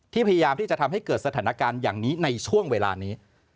พยายามที่จะทำให้เกิดสถานการณ์อย่างนี้ในช่วงเวลานี้